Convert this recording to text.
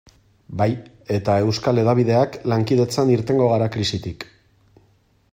Bai, eta euskal hedabideak lankidetzan irtengo gara krisitik.